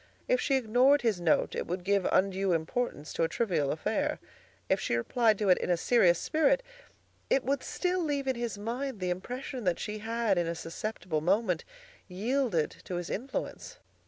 If she ignored his note it would give undue importance to a trivial affair. If she replied to it in a serious spirit it would still leave in his mind the impression that she had in a susceptible moment yielded to his influence.